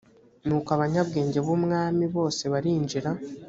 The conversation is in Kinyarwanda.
nuko abanyabwenge b umwami bose barinjira